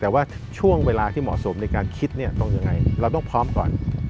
แต่ว่าช่วงเวลาที่เหมาะสมในการคิดเนี่ยต้องยังไงเราต้องพร้อมก่อน